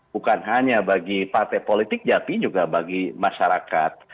bukan hanya bagi partai politik japi juga bagi masyarakat